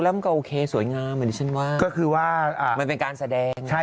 แล้วก็จริงดูก็โอเคสวยงามไอนี่ฉันว่าก็คือมันเป็นการแสดงใช้